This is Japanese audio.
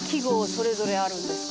それぞれあるんですか？